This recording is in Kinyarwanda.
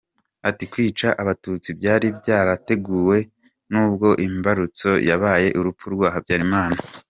Ati “Kwica Abatutsi byari byarateguwe n’ubwo imbarutso yabaye urupfu rwa Habyarimana.